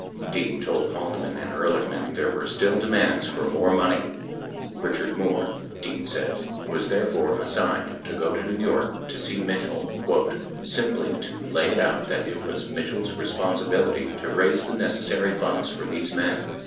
Dean told Haldeman and Ehrlichman there were still demands for more money. Richard Moore, Dean said, was therefore assigned to go to New York to see Mitchell "simply [to] lay it out that it was Mitchell's responsibility to raise the necessary funds for these men."